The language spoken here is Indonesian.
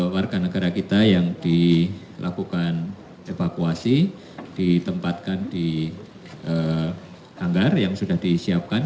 warga negara kita yang dilakukan evakuasi ditempatkan di hanggar yang sudah disiapkan